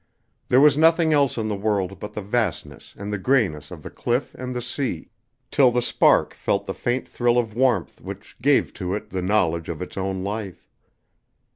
There was nothing else in the world but the vastness and the grayness of the cliff and the sea, till the spark felt the faint thrill of warmth which gave to it the knowledge of its own life.